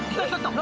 何？